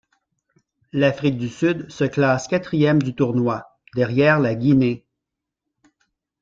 L'Afrique du Sud se classe quatrième du tournoi, derrière la Guinée.